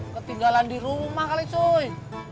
ketinggalan di rumah kali cuy